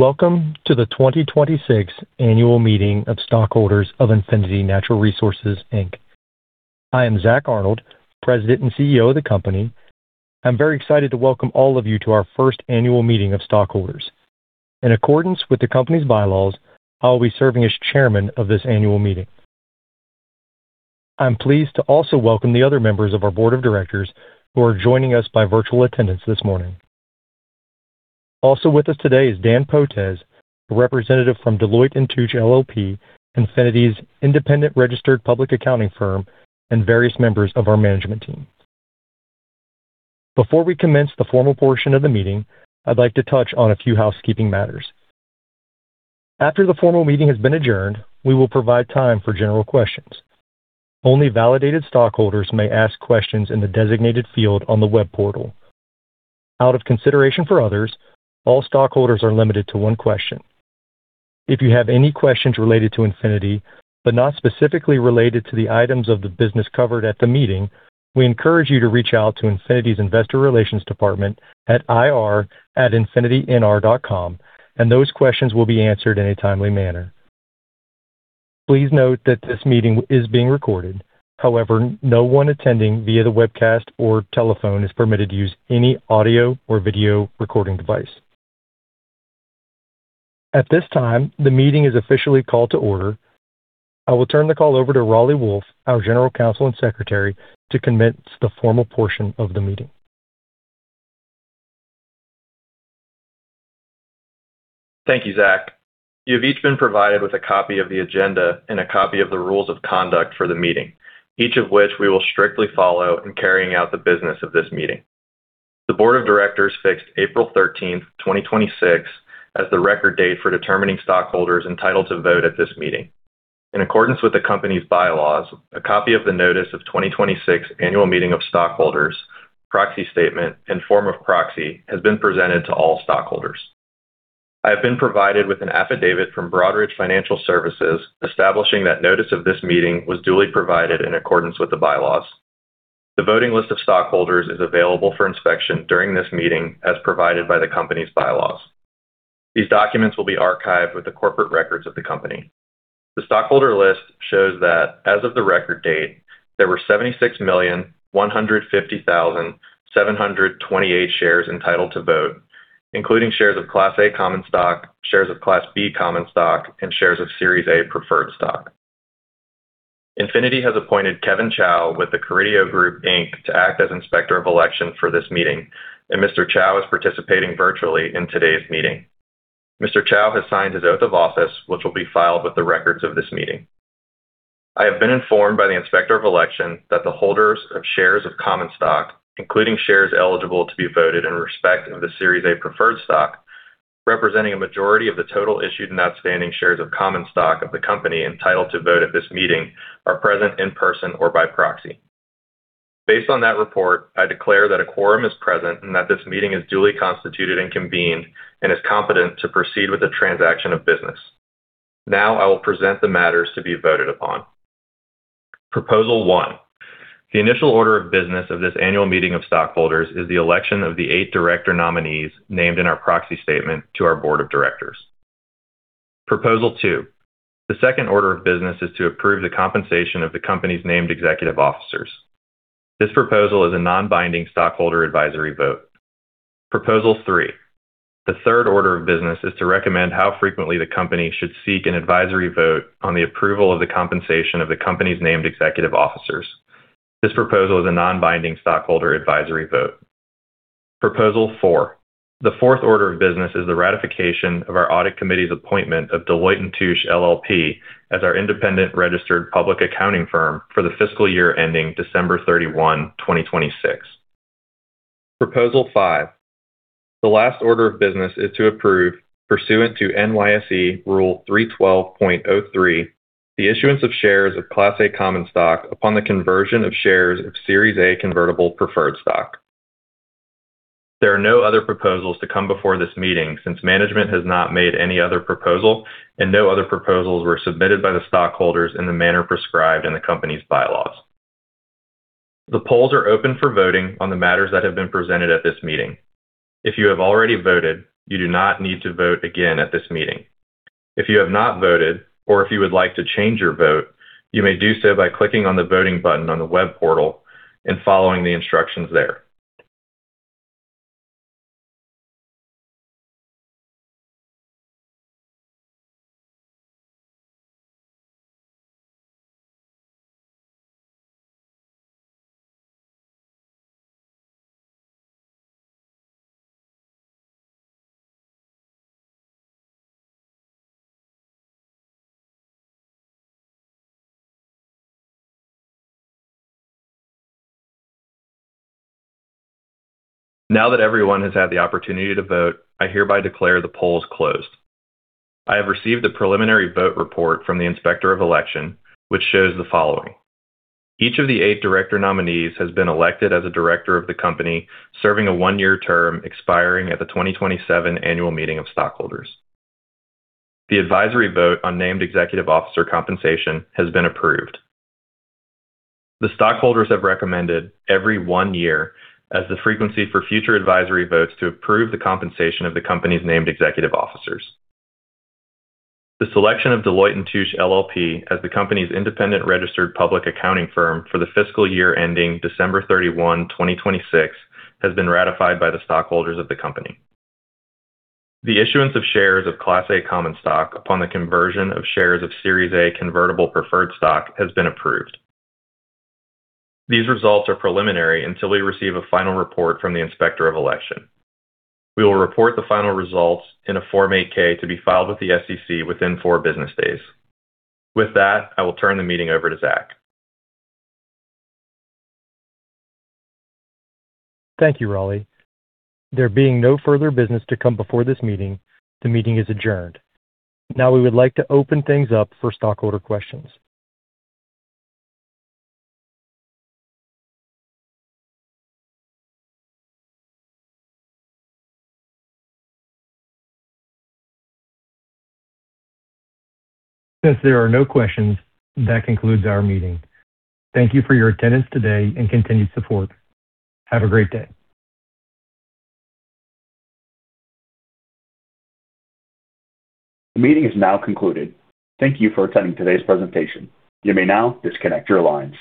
Welcome to the 2026 Annual Meeting of Stockholders of Infinity Natural Resources, Inc. I am Zack Arnold, President and CEO of the company. I am very excited to welcome all of you to our first Annual Meeting of Stockholders. In accordance with the company's bylaws, I will be serving as Chairman of this Annual Meeting. I am pleased to also welcome the other members of our Board of Directors who are joining us by virtual attendance this morning. Also with us today is Dan Potez, a representative from Deloitte & Touche LLP, Infinity's independent registered public accounting firm, and various members of our Management Team. Before we commence the formal portion of the meeting, I would like to touch on a few housekeeping matters. After the formal meeting has been adjourned, we will provide time for general questions. Only validated stockholders may ask questions in the designated field on the web portal. Out of consideration for others, all stockholders are limited to one question. If you have any questions related to Infinity, but not specifically related to the items of the business covered at the meeting, we encourage you to reach out to Infinity's Investor Relations Department at ir@infinitynr.com. Those questions will be answered in a timely manner. Please note that this meeting is being recorded. However, no one attending via the webcast or telephone is permitted to use any audio or video recording device. At this time, the meeting is officially called to order. I will turn the call over to Raleigh Wolfe, our General Counsel and Secretary, to commence the formal portion of the meeting. Thank you, Zack. You have each been provided with a copy of the agenda and a copy of the rules of conduct for the meeting, each of which we will strictly follow in carrying out the business of this meeting. The Board of Directors fixed April 13th, 2026, as the record date for determining stockholders entitled to vote at this meeting. In accordance with the company's bylaws, a copy of the notice of 2026 Annual Meeting of Stockholders, proxy statement, and form of proxy has been presented to all stockholders. I have been provided with an affidavit from Broadridge Financial Services establishing that notice of this meeting was duly provided in accordance with the bylaws. The voting list of stockholders is available for inspection during this meeting as provided by the company's bylaws. These documents will be archived with the corporate records of the company. The stockholder list shows that as of the record date, there were 76,150,728 shares entitled to vote, including shares of Class A common stock, shares of Class B common stock, and shares of Series A preferred stock. Infinity has appointed Kevin Chow with The Cody Group, Inc. to act as Inspector of Election for this meeting. Mr. Chow is participating virtually in today's meeting. Mr. Chow has signed his oath of office, which will be filed with the records of this meeting. I have been informed by the Inspector of Election that the holders of shares of common stock, including shares eligible to be voted in respect of the Series A preferred stock, representing a majority of the total issued and outstanding shares of common stock of the company entitled to vote at this meeting, are present in person or by proxy. Based on that report, I declare that a quorum is present and that this meeting is duly constituted and convened and is competent to proceed with the transaction of business. Now I will present the matters to be voted upon. Proposal one, the initial order of business of this Annual Meeting of Stockholders is the election of the eight Director nominees named in our proxy statement to our Board of Directors. Proposal two, the second order of business is to approve the compensation of the company's named Executive officers. This proposal is a non-binding stockholder advisory vote. Proposal three, the third order of business is to recommend how frequently the company should seek an advisory vote on the approval of the compensation of the company's named Executive officers. This proposal is a non-binding stockholder advisory vote. Proposal four, the fourth order of business is the ratification of our Audit Committee's appointment of Deloitte & Touche LLP as our independent registered public accounting firm for the fiscal year ending December 31, 2026. Proposal five, the last order of business is to approve, pursuant to NYSE Rule 312.03, the issuance of shares of Class A common stock upon the conversion of shares of Series A convertible preferred stock. There are no other proposals to come before this meeting, since management has not made any other proposal and no other proposals were submitted by the stockholders in the manner prescribed in the company's bylaws. The polls are open for voting on the matters that have been presented at this meeting. If you have already voted, you do not need to vote again at this meeting. If you have not voted or if you would like to change your vote, you may do so by clicking on the voting button on the web portal and following the instructions there. Now that everyone has had the opportunity to vote, I hereby declare the polls closed. I have received the preliminary vote report from the Inspector of Election, which shows the following. Each of the eight Director nominees has been elected as a Director of the company, serving a one-year term expiring at the 2027 Annual Meeting of Stockholders. The advisory vote on named Executive officer compensation has been approved. The stockholders have recommended every one year as the frequency for future advisory votes to approve the compensation of the company's named Executive officers. The selection of Deloitte & Touche LLP as the company's independent registered public accounting firm for the fiscal year ending December 31, 2026, has been ratified by the stockholders of the company. The issuance of shares of Class A common stock upon the conversion of shares of Series A convertible preferred stock has been approved. These results are preliminary until we receive a final report from the Inspector of Election. We will report the final results in a Form 8-K to be filed with the SEC within four business days. With that, I will turn the meeting over to Zack. Thank you, Raleigh. There being no further business to come before this meeting, the meeting is adjourned. We would like to open things up for stockholder questions. Since there are no questions, that concludes our meeting. Thank you for your attendance today and continued support. Have a great day. The meeting is now concluded. Thank you for attending today's presentation. You may now disconnect your lines.